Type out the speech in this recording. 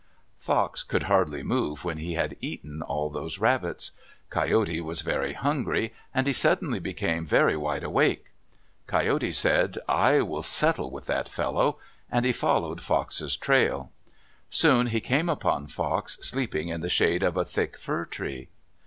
Fox could hardly move when he had eaten all those rabbits. Coyote was very hungry, and he suddenly became very wide awake. Coyote said, "I will settle with that fellow," and he followed Fox's trail. Soon he came upon Fox sleeping in the shade of a thick fir tree.